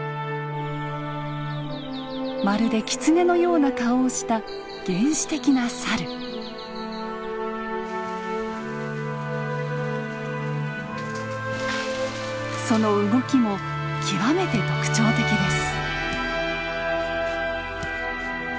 まるでキツネのような顔をしたその動きも極めて特徴的です。